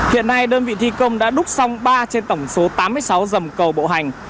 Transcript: hiện nay đơn vị thi công đã đúc xong ba trên tổng số tám mươi sáu dầm cầu bộ hành